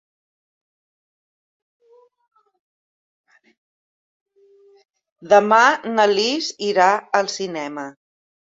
Demà na Lis irà al cinema.